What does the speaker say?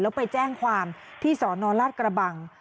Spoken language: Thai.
แล้วไปแจ้งความที่สนราชกระบัง